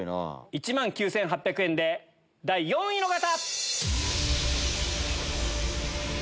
１万９８００円で第４位の方！